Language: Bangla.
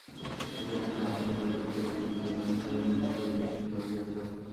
এই অবস্থা লাভ হইলে তবে বুঝিতে পারিবে যে, তুমি অহিংসভাবে দৃঢ়প্রতিষ্ঠিত হইয়াছ।